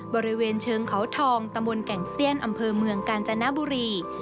บริเวณเชิงเขาทองตำบลแก่งเซียนอำเภอเมืองกาญจนบุรี